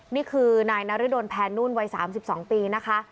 นี่คือนายนรดลแพนุ่นวัย๓๒ปีนะคะ